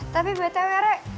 tapi buatnya weh re